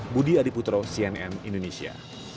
budi adiputro cnn indonesia